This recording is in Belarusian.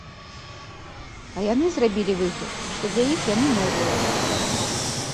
А яны зрабілі выгляд, што для іх яны новыя.